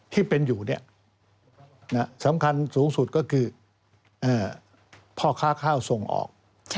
ที่เป็นอยู่สำคัญสูงสุดก็คือพ่อค้าข้าวส่งออก